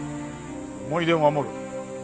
思い出を守る？